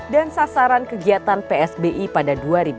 dan sasaran kegiatan psbi pada dua ribu tiga belas